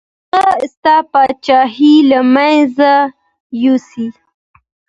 هغه ستا پاچاهي له منځه یوسي.